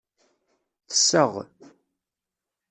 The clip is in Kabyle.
Tesseɣ.